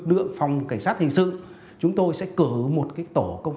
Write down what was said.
lượng phòng cảnh sát hình sự chúng tôi sẽ cố gắng để cố gắng để cố gắng để cố gắng để cố gắng để cố gắng để